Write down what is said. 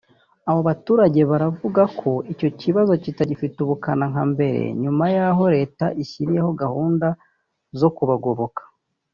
abo baturage baravuga ko icyo kibazo kitagifite ubukana nka mbere nyuma y’aho Leta ishyiriyeho gahunda zo kubagoboka